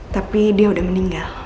tapi dia udah meninggal